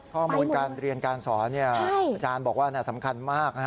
ข้อมูลการเรียนการสอนอาจารย์บอกว่าสำคัญมาก